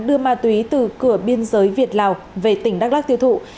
đưa ma túy từ cửa biên giới việt lào về tỉnh đắk lắc tiêu thụ